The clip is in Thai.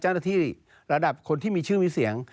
เจ้าหน้าที่ระดับคนที่มีชื่อมีเสียง